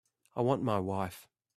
I want my wife.